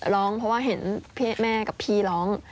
ร้องเพราะว่าเห็นแม่กับพี่ร้อง